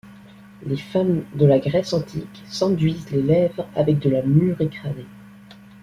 Les femmes de la Grèce antique s'enduisent les lèvres avec de la mûre écrasée.